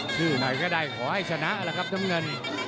ชื่อไหนก็ได้ขอให้ชนะแหละครับน้ำเงิน